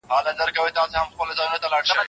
د بازانو پرې یرغل وي موږ پردي یو له خپل ځانه